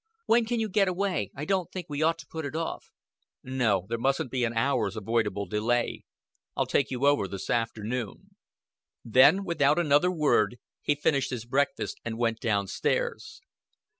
"When can you get away? I don't think we ought to put it off." "No. There mustn't be an hour's avoidable delay. I'll take you over this afternoon." Then, without another word, he finished his breakfast and went down stairs.